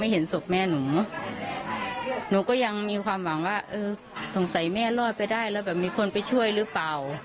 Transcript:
หนูก็ยังมีความหวังว่าสงสัยแม่รอดไปได้แล้วแบบมีคนไปช่วยหรือเปล่า